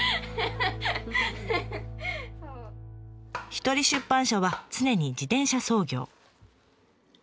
ひとり出版社は常に自転車操業。